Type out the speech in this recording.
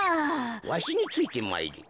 わしについてまいれ。